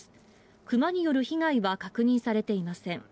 クマによる被害は確認されていません。